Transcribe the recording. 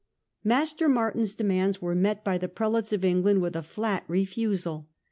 Master Martin's 220 STUPOR MUNDI demands were met by the Prelates of England with a flat refusal.